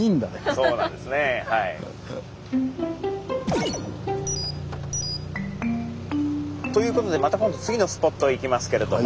そうなんですね。ということでまた今度次のスポットへ行きますけれども。